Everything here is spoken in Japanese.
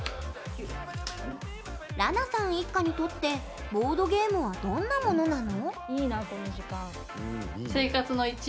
らなさん一家にとってボードゲームはどんなものなの？